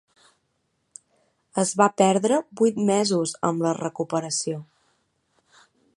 Es va perdre vuit mesos amb la recuperació.